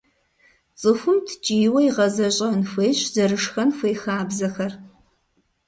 ЦӀыхум ткӀийуэ игъэзэщӀэн хуейщ зэрышхэн хуей хабзэхэр.